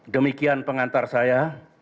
demikian pengantar saya